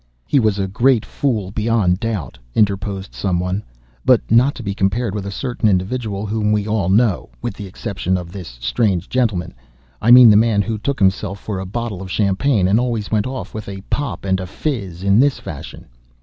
"He was a great fool, beyond doubt," interposed some one, "but not to be compared with a certain individual whom we all know, with the exception of this strange gentleman. I mean the man who took himself for a bottle of champagne, and always went off with a pop and a fizz, in this fashion."